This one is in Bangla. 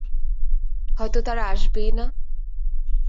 হয়তো তারা আসবেই না।